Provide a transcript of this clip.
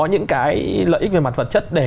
những cái lợi ích về mặt vật chất để